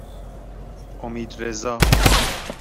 امیدرضا